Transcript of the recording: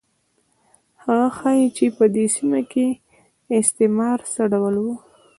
هغه ښيي چې په دې سیمه کې استعمار څه ډول و.